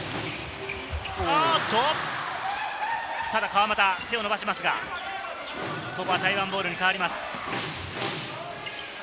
ただ川真田、手を伸ばしますがここは台湾ボールに変わります。